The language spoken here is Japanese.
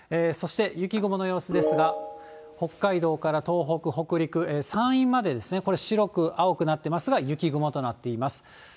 そして雪雲の様子ですが、北海道から東北、北陸、山陰までこれ、白く、青くなってますが、雪雲となっています。